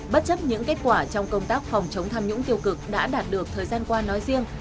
bất chấp những kết quả trong công tác phòng chống tham nhũng tiêu cực đã đạt được thời gian qua nói riêng